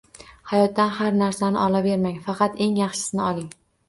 Hayotdan har narsani olavermang, faqat eng yaxshisini oling!